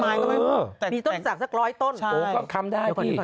ใช่ดูก็คำได้พี่